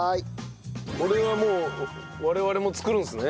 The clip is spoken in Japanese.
これはもう我々も作るんですね。